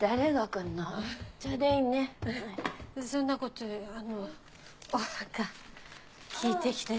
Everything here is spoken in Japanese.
そんなことよりあのお墓聞いて来たよ。